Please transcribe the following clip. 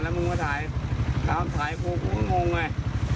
แล้วมึงมาถ่ายคลิปคลิป๓ถ่ายคลิป๔ไม่มองไง